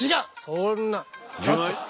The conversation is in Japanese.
そんな。